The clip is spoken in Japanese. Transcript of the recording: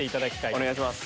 お願いします。